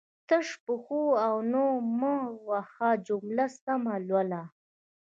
تش په هو او نه مه وهه جمله سمه لوله